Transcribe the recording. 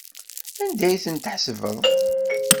Anda ay ten-tḥesbeḍ?